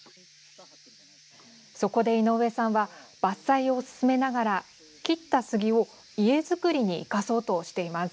そこで井上さんは伐採を進めながら切った杉を家造りに生かそうとしています。